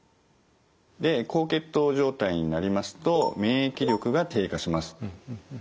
で高血糖状態になりますと免疫力が低下します。